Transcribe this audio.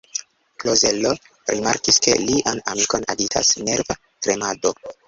Klozelo rimarkis, ke lian amikon agitas nerva tremado.